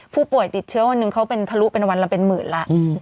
ผู้ป่วยติดเชื้อวันหนึ่งเขาเป็นทะลุเป็นวันละเป็นหมื่นแล้ว